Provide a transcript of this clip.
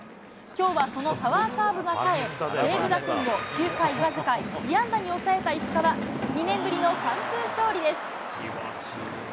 きょうは、そのパワーカーブがさえ、西武打線を９回僅か１安打に抑えた石川、２年ぶりの完封勝利です。